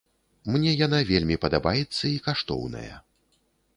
Мне яна вельмі падабаецца і каштоўная.